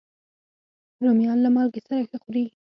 رومیان له مالګې سره ښه خوري